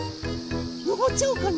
のぼっちゃおうかな。